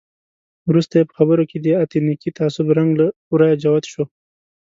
وروسته یې په خبرو کې د اتنیکي تعصب رنګ له ورایه جوت شو.